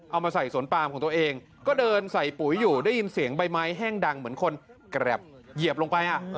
เอามาใส่สวนปามของตัวเองก็เดินใส่ปุ๋ยอยู่ได้ยินเสียงใบไม้แห้งดังเหมือนคนแกรบเหยียบลงไป